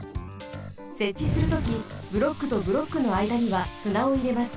せっちするときブロックとブロックのあいだにはすなをいれます。